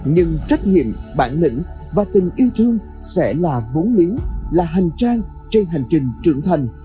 nhưng trách nhiệm bản lĩnh và tình yêu thương sẽ là vốn liếng là hành trang trên hành trình trưởng thành